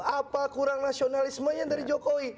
apa kurang nasionalismenya dari jokowi